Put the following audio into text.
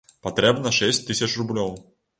Патрэбна шэсць тысяч рублёў.